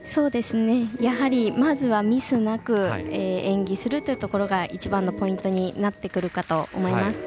やはり、まずはミスなく演技するというところが一番のポイントになってくるかと思います。